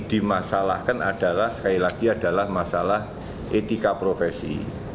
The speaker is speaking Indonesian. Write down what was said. dimasalahkan adalah sekali lagi adalah masalah etika profesi